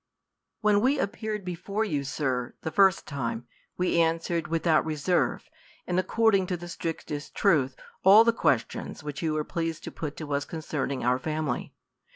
WHEN we appeared before you, Sir, the first time, we answered without reserve, and ac cording to the strictest truth, all the questions which you were pleased to put to us concerning our family.